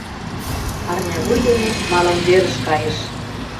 Парнявуй дене малымверыш кайыш.